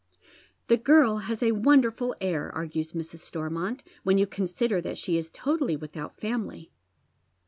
05 "Tlie girl has a wonderful air," argnos Mrs. Stormont, " when you consider that slie is toUilly witliout family."